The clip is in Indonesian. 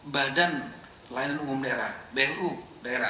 badan layanan umum daerah bu daerah